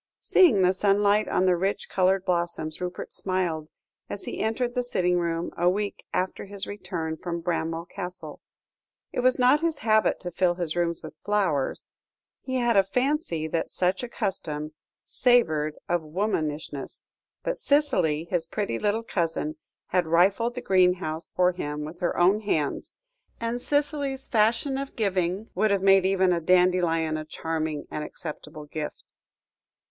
Seeing the sunlight on the rich coloured blossoms, Rupert smiled, as he entered the sitting room a week after his return from Bramwell Castle. It was not his habit to fill his rooms with flowers: he had a fancy that such a custom savoured of womanishness; but Cicely, his pretty little cousin, had rifled the greenhouse for him with her own hands, and Cicely's fashion of giving would have made even a dandelion a charming and acceptable gift.